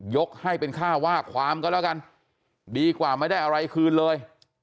ยกให้เป็นค่าว่าความก็แล้วกันดีกว่าไม่ได้อะไรคืนเลย